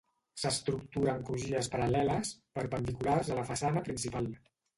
S'estructura en crugies paral·leles, perpendiculars a la façana principal.